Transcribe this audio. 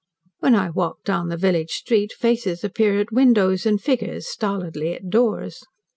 When I walk down the village street, faces appear at windows, and figures, stolidly, at doors.